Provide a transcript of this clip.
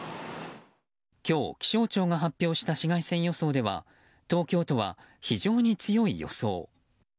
今日、気象庁が発表した紫外線予想では東京都は非常に強い予想。